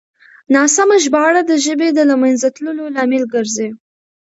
ناسمه ژباړه د ژبې د له منځه تللو لامل ګرځي.